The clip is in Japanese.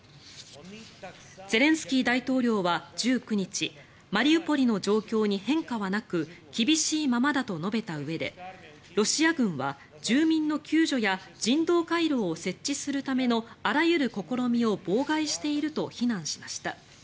ゼレンスキー大統領は１９日マリウポリの状況に変化はなく厳しいままだと述べたうえでロシア軍は住民の救助や人道回廊を設置するためのあらゆる試みを妨害していると非難しました。